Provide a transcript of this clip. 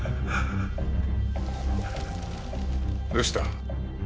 どうした？